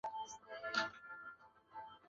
柬埔寨古代首都洛韦位于该城。